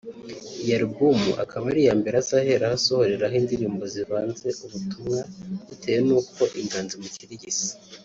Iyi album ikaba ari iya mbere azaheraho asohoreraho indirimbo zivanze ubutumwa bitewe n’uko inganzo imukirigise